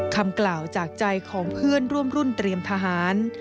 คำกล่าวจากใจของเพื่อนร่วมรุ่นเตรียมทหาร